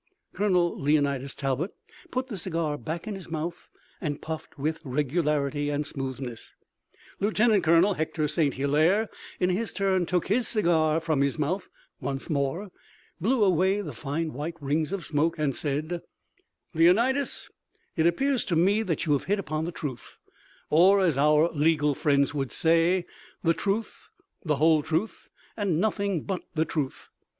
Colonel Leonidas Talbot put the cigar back in his mouth and puffed with regularity and smoothness. Lieutenant Colonel Hector St. Hilaire, in his turn, took his cigar from his mouth once more, blew away the fine white rings of smoke and said: "Leonidas, it appears to me that you have hit upon the truth, or as our legal friends would say, the truth, the whole truth and nothing but the truth.